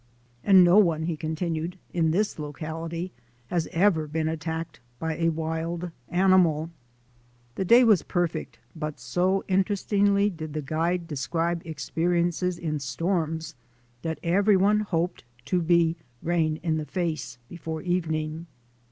"And no one," he continued, "in this locality has ever been attacked by a wild animal." The day was perfect, but so interest ingly did the guide describe experiences in storms that everyone hoped to be Rain in the Face be fore evening.